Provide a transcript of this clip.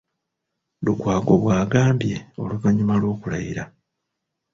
Lukwago bw’agambye oluvannyuma lw’okulayira.